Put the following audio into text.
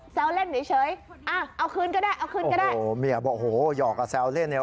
แซวเล่นเฉยเอาคืนก็ได้เอาคืนก็ได้โอ้โหเมียบอกโอ้โหหยอกกับแซวเล่น